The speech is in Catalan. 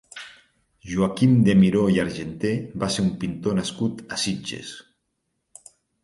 Joaquim de Miró i Argenter va ser un pintor nascut a Sitges.